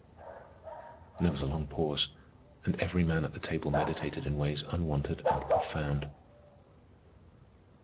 There was a long pause, and every man at the table meditated in ways unwonted and profound.